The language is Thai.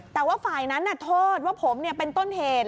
แต่ว่าฝ่ายนั้นโทษว่าผมเป็นต้นเหตุ